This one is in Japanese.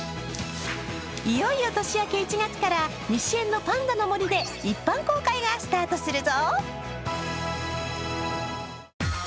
いよいよ年明け１月から西園のパンダのもりで一般公開がスタートするぞ。